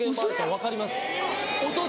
分かります音で。